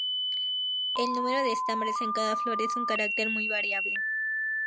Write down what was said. El número de estambres en cada flor es un carácter muy variable.